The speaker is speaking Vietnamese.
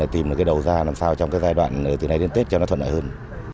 tìm được cái đầu ra làm sao trong cái giai đoạn từ nay đến tết cho nó thuận lợi hơn